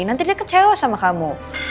nanti dia kecewa sama kamu